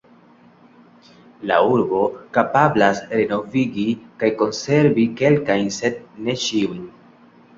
La urbo kapablas renovigi kaj konservi kelkajn, sed ne ĉiujn.